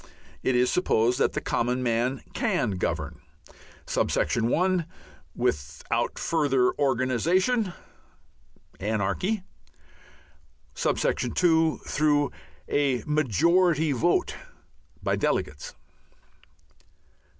It is supposed that the common man can govern: (1) without further organization (Anarchy); (2) through a majority vote by delegates.